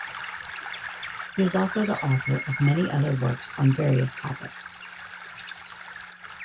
He is also the author of many other works on various topics.